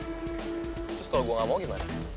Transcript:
terus kalau gue gak mau gimana